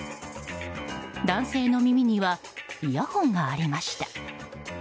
男性の耳にはイヤホンがありました。